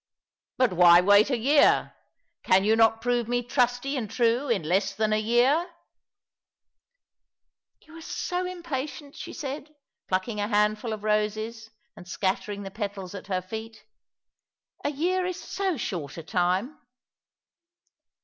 " But why wait a year ? Can you not prove me trusty and true in less than a year ?"" You are so impatient," she said, plucking a handful of roses, and scattering the petals at her feet. " A year is so short a time."